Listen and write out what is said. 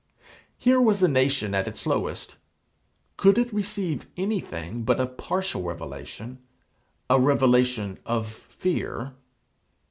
Here was a nation at its lowest: could it receive anything but a partial revelation, a revelation of fear?